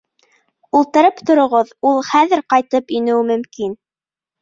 Ултырып тороғоҙ, ул хәҙер ҡайтып инеүе мөмкин